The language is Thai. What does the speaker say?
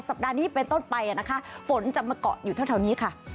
ปัดนี้เป็นต้นไปนะคะฝนจะมาเกาะอยู่เท่านี้ค่ะ